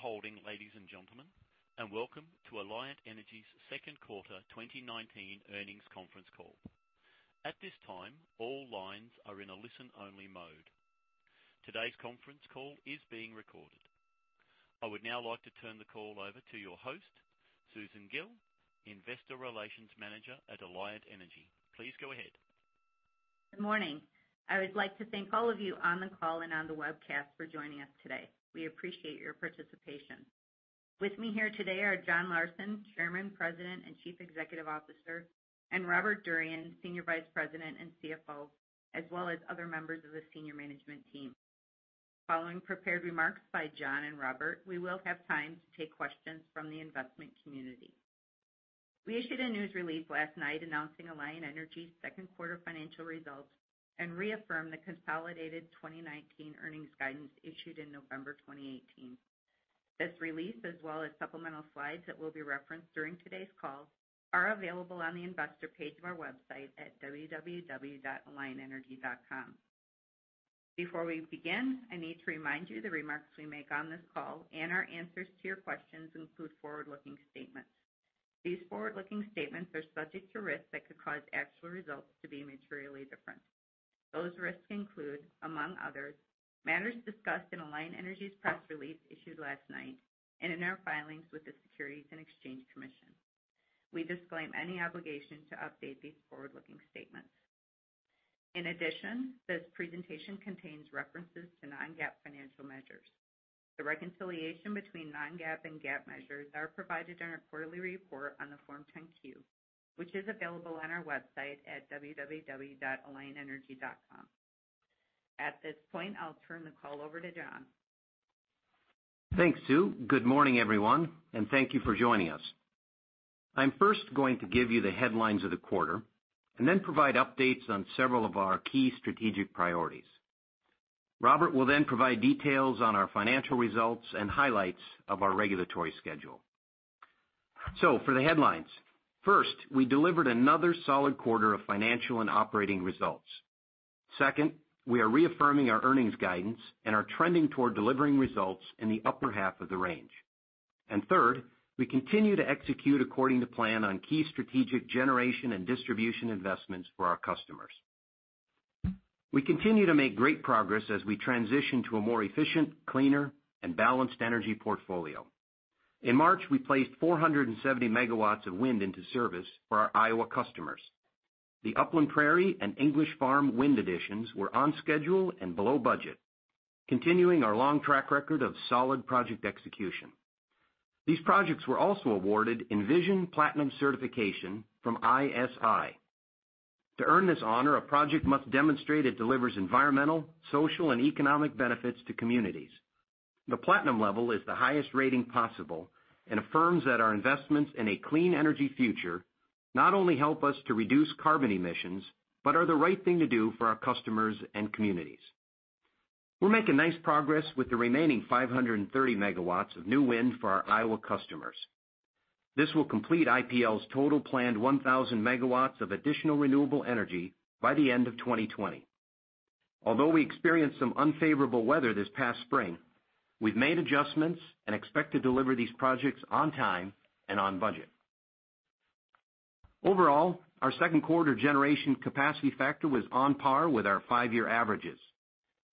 Thank you for holding, ladies and gentlemen, and welcome to Alliant Energy's second quarter 2019 earnings conference call. At this time, all lines are in a listen-only mode. Today's conference call is being recorded. I would now like to turn the call over to your host, Susan Gille, Investor Relations Manager at Alliant Energy. Please go ahead. Good morning. I would like to thank all of you on the call and on the webcast for joining us today. We appreciate your participation. With me here today are John Larsen, Chairman, President, and Chief Executive Officer, and Robert Durian, Senior Vice President and CFO, as well as other members of the senior management team. Following prepared remarks by John and Robert, we will have time to take questions from the investment community. We issued a news release last night announcing Alliant Energy's second quarter financial results and reaffirm the consolidated 2019 earnings guidance issued in November 2018. This release, as well as supplemental slides that will be referenced during today's call, are available on the investor page of our website at www.alliantenergy.com. Before we begin, I need to remind you the remarks we make on this call and our answers to your questions include forward-looking statements. These forward-looking statements are subject to risks that could cause actual results to be materially different. Those risks include, among others, matters discussed in Alliant Energy's press release issued last night and in our filings with the Securities and Exchange Commission. We disclaim any obligation to update these forward-looking statements. This presentation contains references to non-GAAP financial measures. The reconciliation between non-GAAP and GAAP measures are provided in our quarterly report on the Form 10-Q, which is available on our website at www.alliantenergy.com. At this point, I'll turn the call over to John. Thanks, Sue. Good morning, everyone, and thank you for joining us. I'm first going to give you the headlines of the quarter, and then provide updates on several of our key strategic priorities. Robert will then provide details on our financial results and highlights of our regulatory schedule. For the headlines, first, we delivered another solid quarter of financial and operating results. Second, we are reaffirming our earnings guidance and are trending toward delivering results in the upper half of the range. Third, we continue to execute according to plan on key strategic generation and distribution investments for our customers. We continue to make great progress as we transition to a more efficient, cleaner, and balanced energy portfolio. In March, we placed 470 MW of wind into service for our Iowa customers. The Upland Prairie and English Farms wind additions were on schedule and below budget, continuing our long track record of solid project execution. These projects were also awarded Envision Platinum Certification from ISI. To earn this honor, a project must demonstrate it delivers environmental, social, and economic benefits to communities. The platinum level is the highest rating possible and affirms that our investments in a clean energy future not only help us to reduce carbon emissions but are the right thing to do for our customers and communities. We're making nice progress with the remaining 530 MW of new wind for our Iowa customers. This will complete IPL's total planned 1,000 MW of additional renewable energy by the end of 2020. We experienced some unfavorable weather this past spring, we've made adjustments and expect to deliver these projects on time and on budget. Overall, our second quarter generation capacity factor was on par with our 5-year averages.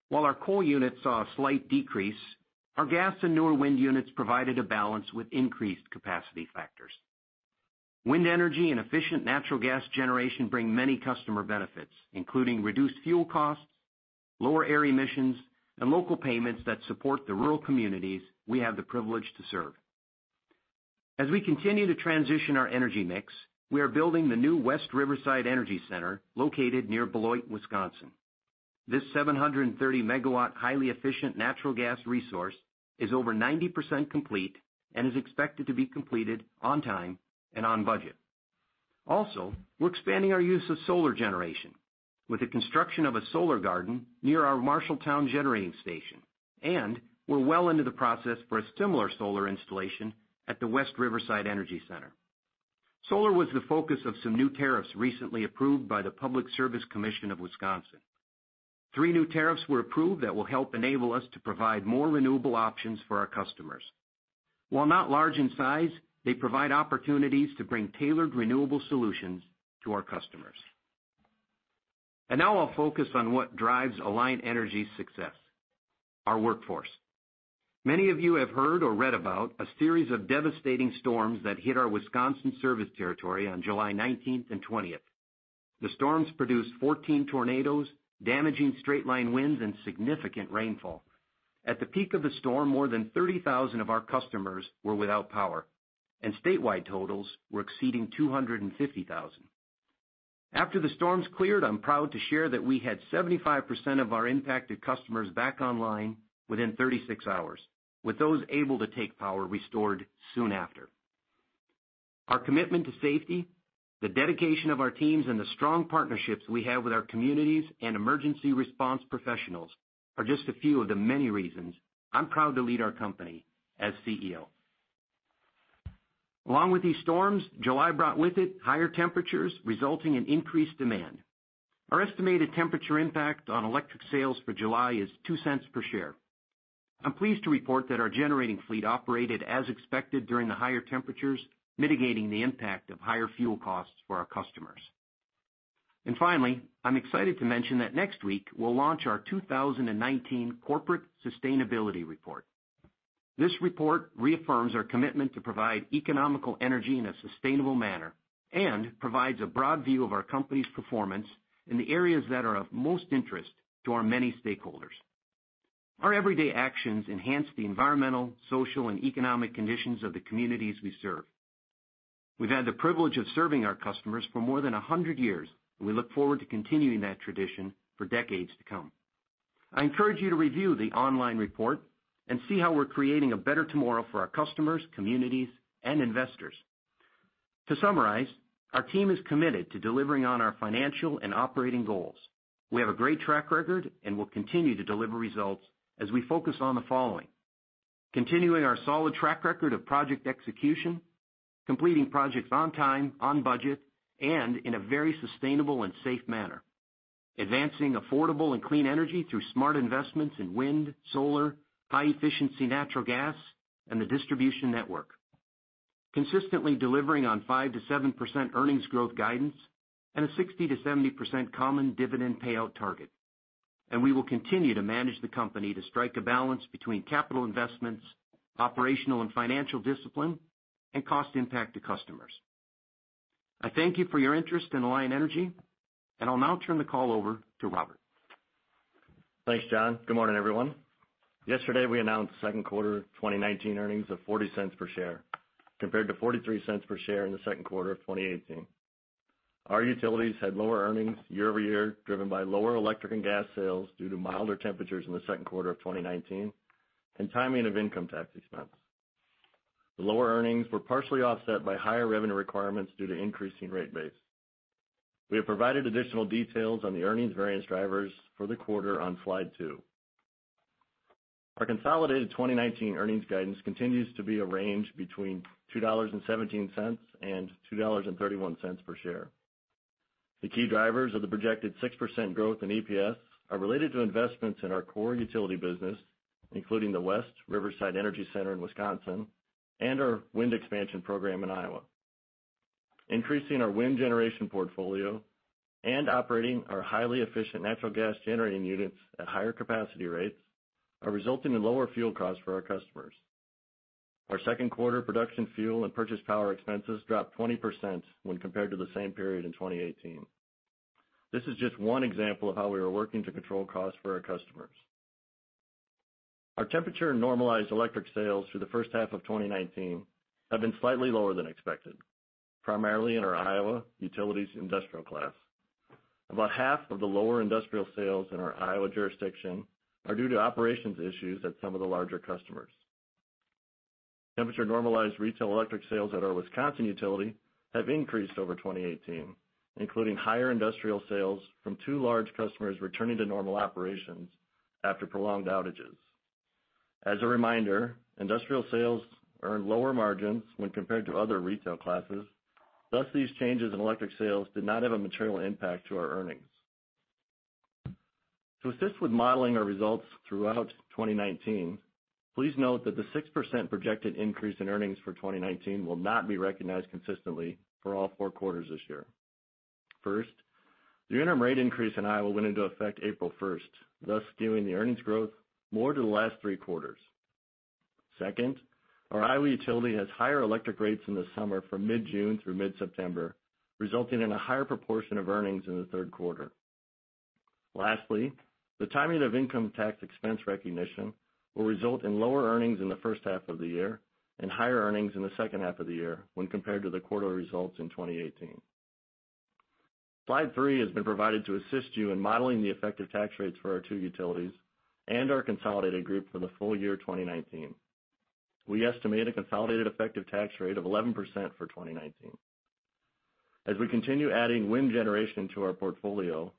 While our coal units saw a slight decrease, our gas and newer wind units provided a balance with increased capacity factors. Wind energy and efficient natural gas generation bring many customer benefits, including reduced fuel costs, lower air emissions, and local payments that support the rural communities we have the privilege to serve. As we continue to transition our energy mix, we are building the new West Riverside Energy Center located near Beloit, Wisconsin. This 730-megawatt, highly efficient natural gas resource is over 90% complete and is expected to be completed on time and on budget. We're expanding our use of solar generation with the construction of a solar garden near our Marshalltown Generating Station. We're well into the process for a similar solar installation at the West Riverside Energy Center. Solar was the focus of some new tariffs recently approved by the Public Service Commission of Wisconsin. Three new tariffs were approved that will help enable us to provide more renewable options for our customers. While not large in size, they provide opportunities to bring tailored renewable solutions to our customers. Now I'll focus on what drives Alliant Energy's success, our workforce. Many of you have heard or read about a series of devastating storms that hit our Wisconsin service territory on July 19th and 20th. The storms produced 14 tornadoes, damaging straight-line winds, and significant rainfall. At the peak of the storm, more than 30,000 of our customers were without power, and statewide totals were exceeding 250,000. After the storms cleared, I'm proud to share that we had 75% of our impacted customers back online within 36 hours, with those able to take power restored soon after. Our commitment to safety, the dedication of our teams, and the strong partnerships we have with our communities and emergency response professionals are just a few of the many reasons I'm proud to lead our company as CEO. With these storms, July brought with it higher temperatures, resulting in increased demand. Our estimated temperature impact on electric sales for July is $0.02 per share. I'm pleased to report that our generating fleet operated as expected during the higher temperatures, mitigating the impact of higher fuel costs for our customers. Finally, I'm excited to mention that next week, we'll launch our 2019 Corporate Sustainability Report. This report reaffirms our commitment to provide economical energy in a sustainable manner, and provides a broad view of our company's performance in the areas that are of most interest to our many stakeholders. Our everyday actions enhance the environmental, social, and economic conditions of the communities we serve. We've had the privilege of serving our customers for more than 100 years. We look forward to continuing that tradition for decades to come. I encourage you to review the online report and see how we're creating a better tomorrow for our customers, communities, and investors. To summarize, our team is committed to delivering on our financial and operating goals. We have a great track record, and will continue to deliver results as we focus on the following. Continuing our solid track record of project execution, completing projects on time, on budget, and in a very sustainable and safe manner. Advancing affordable and clean energy through smart investments in wind, solar, high-efficiency natural gas, and the distribution network. Consistently delivering on 5%-7% earnings growth guidance and a 60%-70% common dividend payout target. We will continue to manage the company to strike a balance between capital investments, operational and financial discipline, and cost impact to customers. I thank you for your interest in Alliant Energy, and I'll now turn the call over to Robert. Thanks, John. Good morning, everyone. Yesterday, we announced second quarter 2019 earnings of $0.40 per share, compared to $0.43 per share in the second quarter of 2018. Our utilities had lower earnings year-over-year, driven by lower electric and gas sales due to milder temperatures in the second quarter of 2019 and timing of income tax expense. The lower earnings were partially offset by higher revenue requirements due to increasing rate base. We have provided additional details on the earnings variance drivers for the quarter on slide two. Our consolidated 2019 earnings guidance continues to be a range between $2.17 and $2.31 per share. The key drivers of the projected 6% growth in EPS are related to investments in our core utility business, including the West Riverside Energy Center in Wisconsin and our wind expansion program in Iowa. Increasing our wind generation portfolio and operating our highly efficient natural gas generating units at higher capacity rates are resulting in lower fuel costs for our customers. Our second quarter production fuel and purchase power expenses dropped 20% when compared to the same period in 2018. This is just one example of how we are working to control costs for our customers. Our temperature-normalized electric sales through the first half of 2019 have been slightly lower than expected, primarily in our Iowa Utilities industrial class. About half of the lower industrial sales in our Iowa jurisdiction are due to operations issues at some of the larger customers. Temperature-normalized retail electric sales at our Wisconsin utility have increased over 2018, including higher industrial sales from two large customers returning to normal operations after prolonged outages. As a reminder, industrial sales earn lower margins when compared to other retail classes, thus these changes in electric sales did not have a material impact to our earnings. To assist with modeling our results throughout 2019, please note that the 6% projected increase in earnings for 2019 will not be recognized consistently for all four quarters this year. First, the interim rate increase in Iowa went into effect April 1st, thus skewing the earnings growth more to the last three quarters. Second, our Iowa utility has higher electric rates in the summer from mid-June through mid-September, resulting in a higher proportion of earnings in the third quarter. Lastly, the timing of income tax expense recognition will result in lower earnings in the first half of the year and higher earnings in the second half of the year when compared to the quarterly results in 2018. Slide three has been provided to assist you in modeling the effective tax rates for our two utilities and our consolidated group for the full year 2019. We estimate a consolidated effective tax rate of 11% for 2019. As we continue adding wind generation to our portfolio,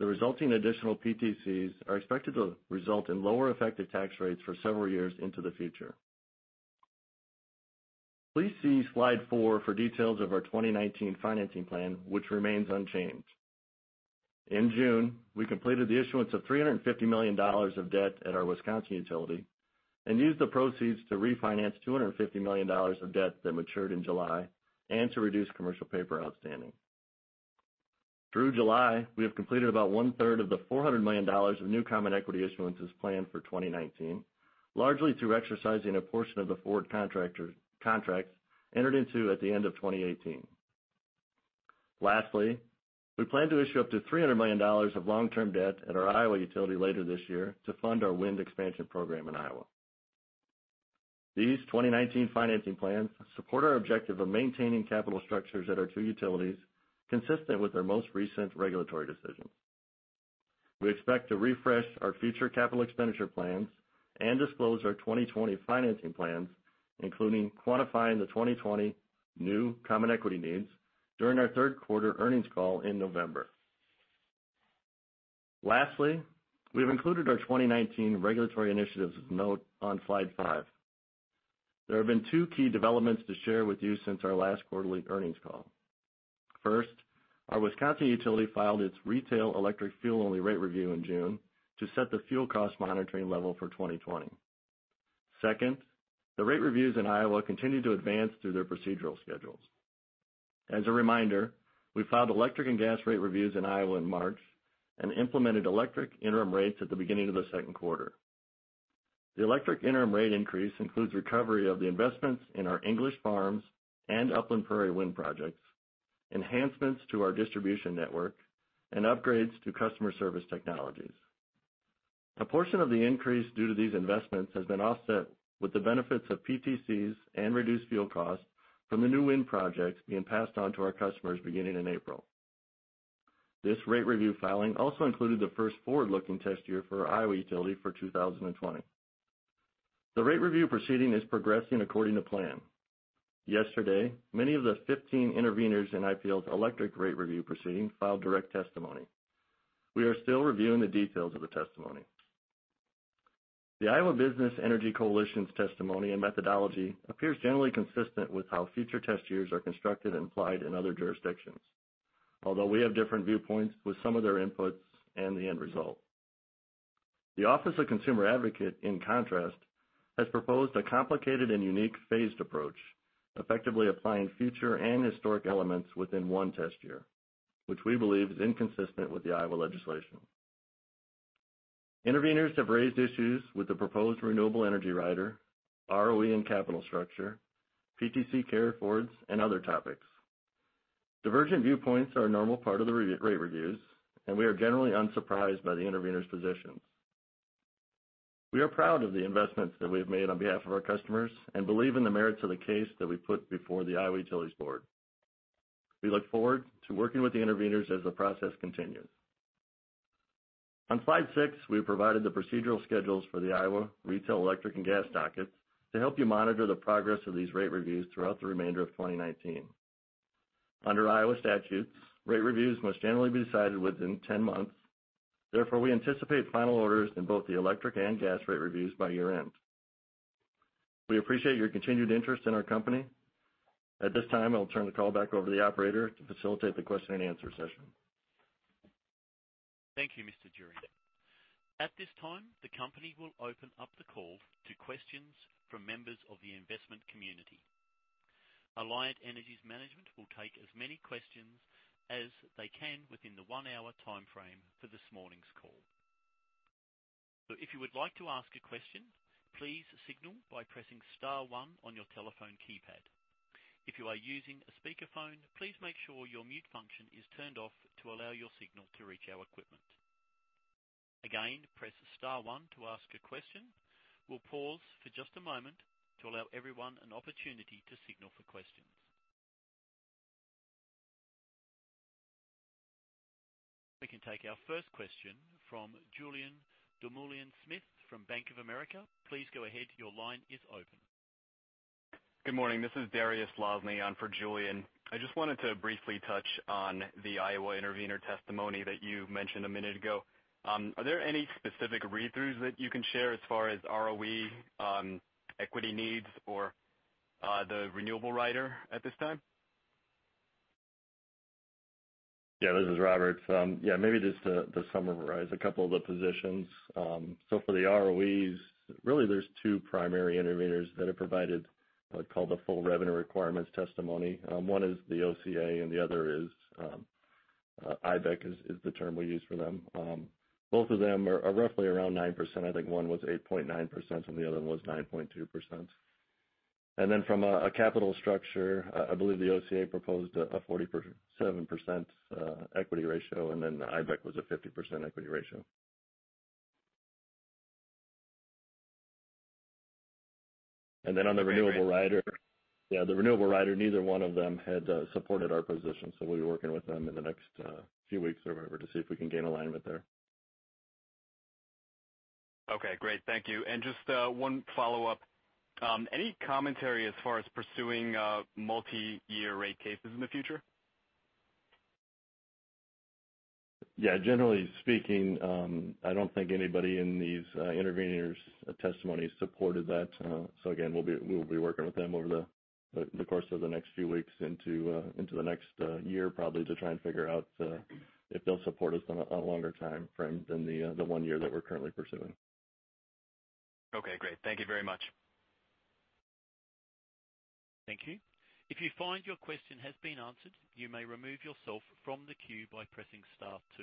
the resulting additional PTCs are expected to result in lower effective tax rates for several years into the future. Please see slide four for details of our 2019 financing plan, which remains unchanged. In June, we completed the issuance of $350 million of debt at our Wisconsin utility and used the proceeds to refinance $250 million of debt that matured in July and to reduce commercial paper outstanding. Through July, we have completed about one-third of the $400 million of new common equity issuances planned for 2019, largely through exercising a portion of the forward contracts entered into at the end of 2018. We plan to issue up to $300 million of long-term debt at our Iowa utility later this year to fund our wind expansion program in Iowa. These 2019 financing plans support our objective of maintaining capital structures at our two utilities consistent with our most recent regulatory decisions. We expect to refresh our future capital expenditure plans and disclose our 2020 financing plans, including quantifying the 2020 new common equity needs during our third quarter earnings call in November. We have included our 2019 regulatory initiatives of note on slide five. There have been two key developments to share with you since our last quarterly earnings call. Our Wisconsin utility filed its retail electric fuel-only rate review in June to set the fuel cost monitoring level for 2020. The rate reviews in Iowa continue to advance through their procedural schedules. As a reminder, we filed electric and gas rate reviews in Iowa in March and implemented electric interim rates at the beginning of the second quarter. The electric interim rate increase includes recovery of the investments in our English Farms and Upland Prairie Wind projects, enhancements to our distribution network, and upgrades to customer service technologies. A portion of the increase due to these investments has been offset with the benefits of PTCs and reduced fuel costs from the new wind projects being passed on to our customers beginning in April. This rate review filing also included the first forward-looking test year for our Iowa utility for 2020. The rate review proceeding is progressing according to plan. Yesterday, many of the 15 intervenors in IPL's electric rate review proceeding filed direct testimony. We are still reviewing the details of the testimony. The Iowa Business Energy Coalition's testimony and methodology appears generally consistent with how future test years are constructed and applied in other jurisdictions. Although we have different viewpoints with some of their inputs and the end result. The Office of Consumer Advocate, in contrast, has proposed a complicated and unique phased approach, effectively applying future and historic elements within one test year, which we believe is inconsistent with the Iowa legislation. Intervenors have raised issues with the proposed renewable energy rider, ROE and capital structure, PTC carryforwards, and other topics. Divergent viewpoints are a normal part of the rate reviews, and we are generally unsurprised by the intervenors' positions. We are proud of the investments that we have made on behalf of our customers and believe in the merits of the case that we put before the Iowa Utilities Board. We look forward to working with the intervenors as the process continues. On slide six, we've provided the procedural schedules for the Iowa retail electric and gas dockets to help you monitor the progress of these rate reviews throughout the remainder of 2019. Under Iowa statutes, rate reviews must generally be decided within 10 months. Therefore, we anticipate final orders in both the electric and gas rate reviews by year-end. We appreciate your continued interest in our company. At this time, I'll turn the call back over to the operator to facilitate the question and answer session. Thank you, Mr. Durian. At this time, the company will open up the call to questions from members of the investment community. Alliant Energy's management will take as many questions as they can within the 1-hour timeframe for this morning's call. If you would like to ask a question, please signal by pressing star one your telephone keypad. If you are using a speakerphone, please make sure your mute function is turned off to allow your signal to reach our equipment. Again, press star one to ask a question. We'll pause for just a moment to allow everyone an opportunity to signal for questions. We can take our first question from Julien Dumoulin-Smith from Bank of America. Please go ahead, your line is open. Good morning. This is Dariusz Lozny on for Julien. I just wanted to briefly touch on the Iowa intervenor testimony that you mentioned a minute ago. Are there any specific read-throughs that you can share as far as ROE, equity needs, or the renewable rider at this time? This is Robert. Maybe just to summarize a couple of the positions. For the ROEs, really there's two primary intervenors that have provided what's called the full revenue requirements testimony. One is the OCA, and the other is IBEC, is the term we use for them. Both of them are roughly around 9%. I think one was 8.9% and the other one was 9.2%. From a capital structure, I believe the OCA proposed a 47% equity ratio, and then IBEC was a 50% equity ratio. On the renewable rider, neither one of them had supported our position, so we'll be working with them in the next few weeks or whatever to see if we can gain alignment there. Okay, great. Thank you. Just one follow-up. Any commentary as far as pursuing multi-year rate cases in the future? Yeah, generally speaking, I don't think anybody in these intervenors' testimonies supported that. Again, we'll be working with them over the course of the next few weeks into the next year probably to try and figure out if they'll support us on a longer timeframe than the one year that we're currently pursuing. Okay, great. Thank you very much. Thank you. If you find your question has been answered, you may remove yourself from the queue by pressing star 2.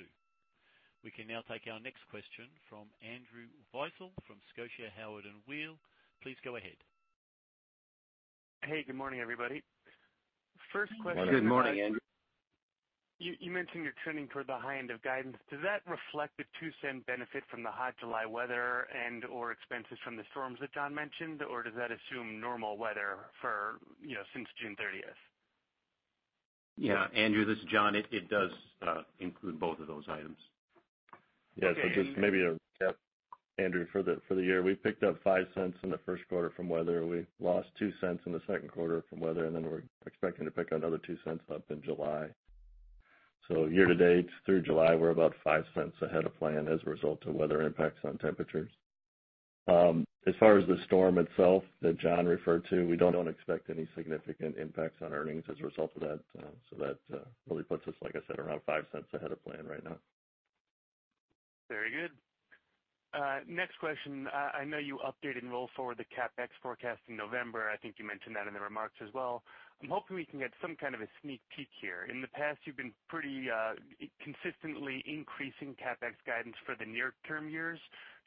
We can now take our next question from Andrew Weisel from Scotiabank Howard Weil. Please go ahead. Hey, good morning, everybody. First question. Good morning, Andrew. You mentioned you're trending toward the high end of guidance. Does that reflect the $0.02 benefit from the hot July weather and/or expenses from the storms that John mentioned, or does that assume normal weather since June 30th? Yeah, Andrew, this is John. It does include both of those items. Yes. just maybe Andrew, for the year, we picked up $0.05 in the first quarter from weather. We lost $0.02 in the second quarter from weather, and then we're expecting to pick up another $0.02 up in July. Year to date, through July, we're about $0.05 ahead of plan as a result of weather impacts on temperatures. As far as the storm itself that John referred to, we don't expect any significant impacts on earnings as a result of that. That really puts us, like I said, around $0.05 ahead of plan right now. Very good. Next question. I know you updated and rolled forward the CapEx forecast in November. I think you mentioned that in the remarks as well. I am hoping we can get some kind of a sneak peek here. In the past, you've been pretty consistently increasing CapEx guidance for the near-term years.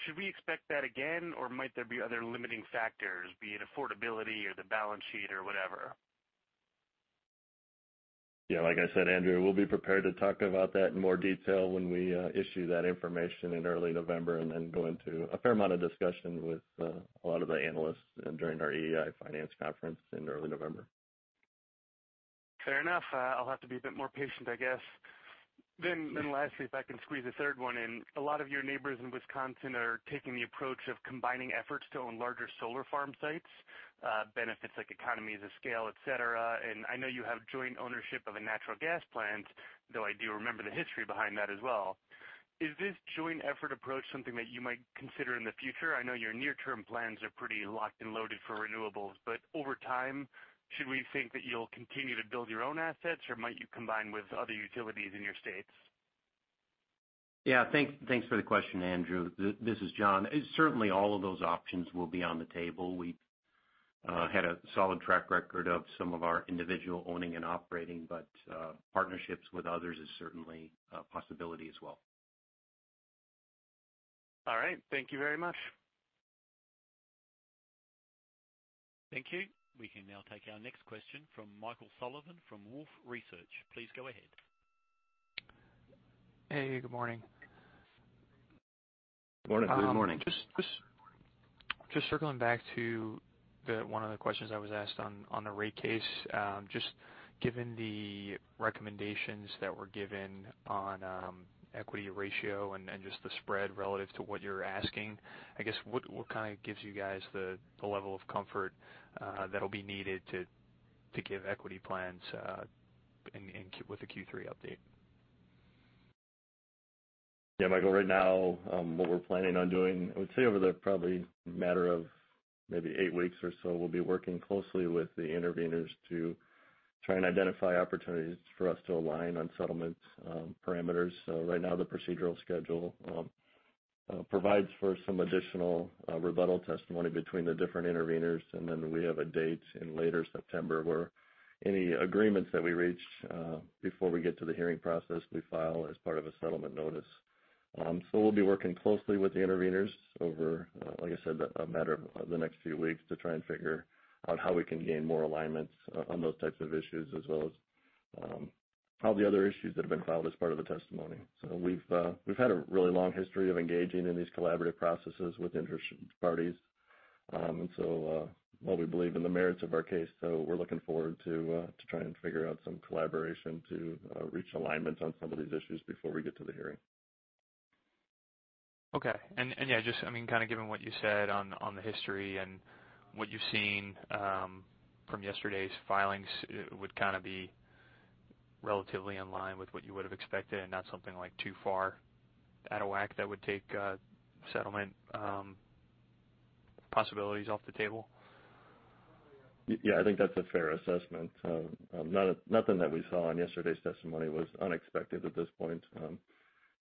Should we expect that again, or might there be other limiting factors, be it affordability or the balance sheet or whatever? Yeah. Like I said, Andrew, we'll be prepared to talk about that in more detail when we issue that information in early November and then go into a fair amount of discussion with a lot of the analysts during our EEI finance conference in early November. Fair enough. I'll have to be a bit more patient, I guess. Lastly, if I can squeeze a third one in. A lot of your neighbors in Wisconsin are taking the approach of combining efforts to own larger solar farm sites. Benefits like economies of scale, et cetera. I know you have joint ownership of a natural gas plant, though I do remember the history behind that as well. Is this joint effort approach something that you might consider in the future? I know your near-term plans are pretty locked and loaded for renewables, but over time, should we think that you'll continue to build your own assets, or might you combine with other utilities in your states? Yeah. Thanks for the question, Andrew Weisel. This is John. Certainly all of those options will be on the table. We had a solid track record of some of our individual owning and operating, but partnerships with others is certainly a possibility as well. All right. Thank you very much. Thank you. We can now take our next question from Michael Sullivan from Wolfe Research. Please go ahead. Hey, good morning. Morning. Good morning. Just circling back to one of the questions I was asked on the rate case. Just given the recommendations that were given on equity ratio and just the spread relative to what you're asking, I guess what kind of gives you guys the level of comfort that'll be needed to give equity plans with the Q3 update? Yeah, Michael, right now, what we're planning on doing, I would say over the probably matter of maybe 8 weeks or so, we'll be working closely with the interveners to try and identify opportunities for us to align on settlement parameters. Right now, the procedural schedule provides for some additional rebuttal testimony between the different interveners, and then we have a date in later September where any agreements that we reach before we get to the hearing process, we file as part of a settlement notice. We'll be working closely with the interveners over, like I said, a matter of the next few weeks to try and figure on how we can gain more alignments on those types of issues, as well as all the other issues that have been filed as part of the testimony. We've had a really long history of engaging in these collaborative processes with interested parties. While we believe in the merits of our case, we're looking forward to trying to figure out some collaboration to reach alignment on some of these issues before we get to the hearing. Okay. Yeah, just kind of given what you said on the history and what you've seen from yesterday's filings would kind of be relatively in line with what you would have expected and not something like too far out of whack that would take settlement possibilities off the table? Yeah, I think that's a fair assessment. Nothing that we saw in yesterday's testimony was unexpected at this point.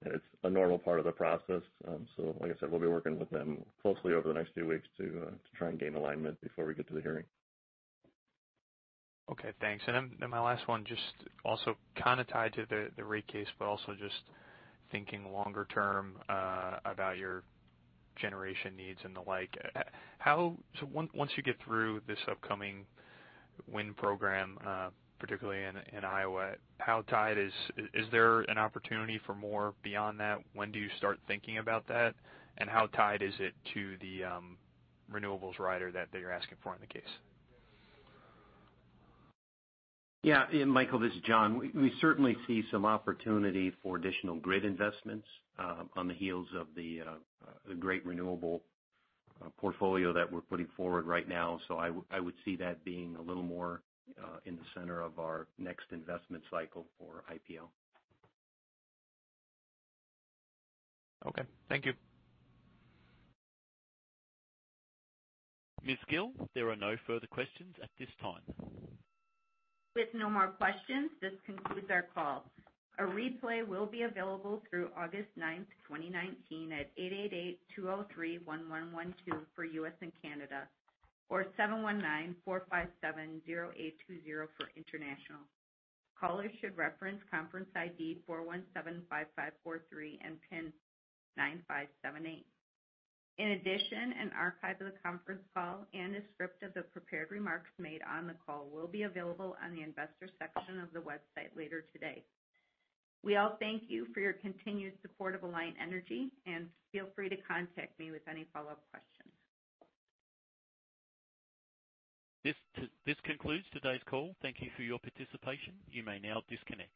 It's a normal part of the process. Like I said, we'll be working with them closely over the next few weeks to try and gain alignment before we get to the hearing. Okay, thanks. My last one, just also kind of tied to the rate case, but also just thinking longer term about your generation needs and the like. Once you get through this upcoming wind program, particularly in Iowa, is there an opportunity for more beyond that? When do you start thinking about that? How tied is it to the renewables rider that you're asking for in the case? Yeah. Michael, this is John. We certainly see some opportunity for additional grid investments on the heels of the great renewable portfolio that we're putting forward right now. I would see that being a little more in the center of our next investment cycle for IPL. Okay. Thank you. Ms. Gille, there are no further questions at this time. With no more questions, this concludes our call. A replay will be available through August ninth, 2019 at eight eight eight two oh three one one one two for U.S. and Canada, or seven one nine four five seven zero eight two zero for international. Callers should reference conference ID four one seven five five four three and pin nine five seven eight. In addition, an archive of the conference call and a script of the prepared remarks made on the call will be available on the investor section of the website later today. We all thank you for your continued support of Alliant Energy, and feel free to contact me with any follow-up questions. This concludes today's call. Thank you for your participation. You may now disconnect.